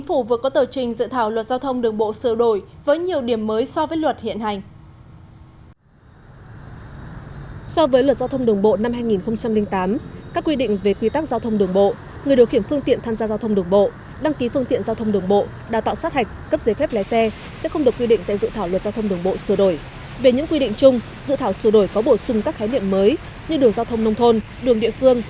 phương án ba dự thảo luật giao thông đường bộ sửa đổi tiếp tục điều chỉnh vấn đề đào tạo sát hạch và cấp giấy phép lái xe thuộc phạm vi điều chỉnh vấn đề đào tạo